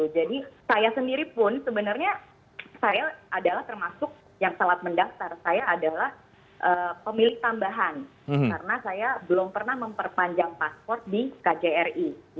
jadi saya sendiri pun sebenarnya saya adalah termasuk yang telat mendaftar saya adalah pemilik tambahan karena saya belum pernah memperpanjang paspor di kjri